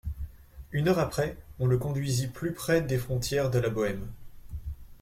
Une heure après, on le conduisit plus près des frontières de la Bohême.